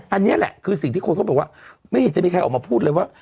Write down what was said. อันนี้แหละคือสิ่งที่คนเขาบอกว่าไม่เห็นจะมีใครออกมาพูดเลยว่า